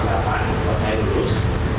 setelah saya lulus